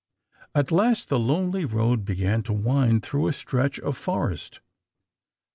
At last the lonely road began to wind through a stretch of forest.